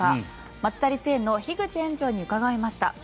町田リス園の樋口園長に伺いました。